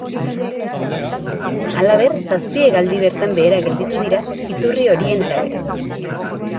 Halaber, zazpi hegaldi bertan behera gelditu dira, iturri horien arabera.